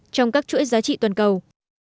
trong các chuỗi giá trị toàn cầu